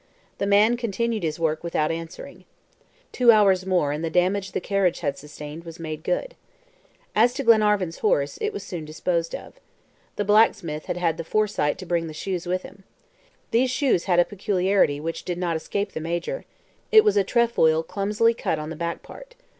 The man continued his work without answering. Two hours more and the damage the carriage had sustained was made good. As to Glenarvan's horse, it was soon disposed of. The blacksmith had had the forethought to bring the shoes with him. These shoes had a peculiarity which did not escape the Major; it was a trefoil clumsily cut on the back part.